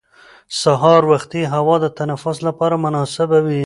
سهار وختي هوا د تنفس لپاره مناسبه وي